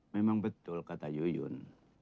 memang betul kata yuyun